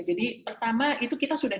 jadi pertama itu kita sudah